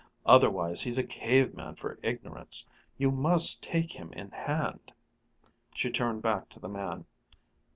Otherwise he's a Cave Man for ignorance. You must take him in hand!" She turned back to the man.